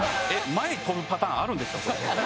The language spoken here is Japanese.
前飛ぶパターンあるんですか？